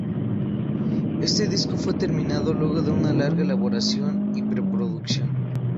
Este disco fue terminado luego de una larga elaboración y preproducción.